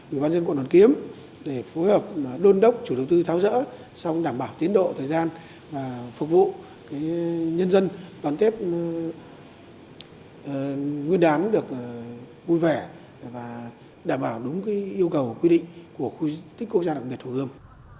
ủy ban nhân quận hồ hoàn kiếm để phối hợp đôn đốc chủ đầu tư tháo rỡ xong đảm bảo tiến độ thời gian phục vụ nhân dân toàn tiếp nguyên đáng được vui vẻ và đảm bảo đúng yêu cầu quy định của khu di tích quốc gia đặc biệt hồ hương